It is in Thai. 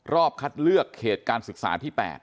รอบคัดเลือกเหตุการณ์ศึกษา๘